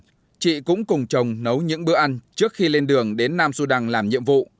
nhưng chị cũng cùng chồng nấu những bữa ăn trước khi lên đường đến nam sudan làm nhiệm vụ